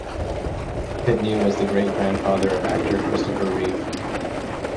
Pitney was the great-grandfather of actor Christopher Reeve.